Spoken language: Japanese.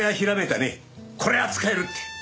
これは使えるって。